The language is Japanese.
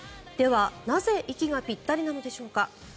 では、なぜ息がピッタリなのでしょうか。